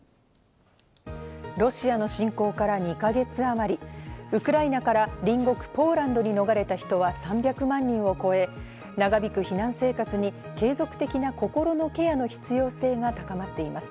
ロシアの侵攻から２か月あまり、ウクライナから隣国ポーランドに逃れた人は３００万人を超え、長引く避難生活に継続的な心のケアの必要性が高まっています。